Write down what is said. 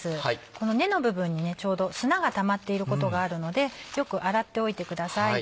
この根の部分にちょうど砂がたまっていることがあるのでよく洗っておいてください。